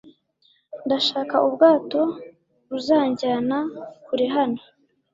Ndashaka ubwato buzanjyana kure hano.